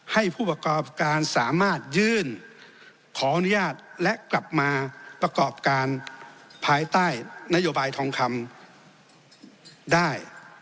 ให้ผู้ประกอบการสามารถยื่นขออนุญาตและกลับมาประกอบการภายใต้นโยบายทองคำได้